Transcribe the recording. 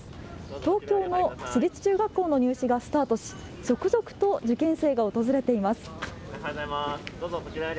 東京の私立中学校の入試がスタートし続々と受験生が訪れています。